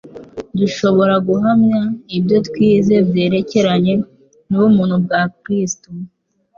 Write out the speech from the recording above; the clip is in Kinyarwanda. Dushobora guhamya ibyo twize byerekeranye n'ubuntu bwa Kristo.